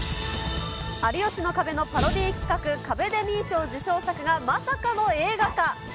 有吉の壁のパロディー企画、カベデミー賞受賞作がまさかの映画化。